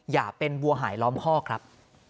อย่าเป็นวัวหายล้อมคอกครับ